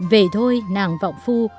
về thôi nàng vọng phu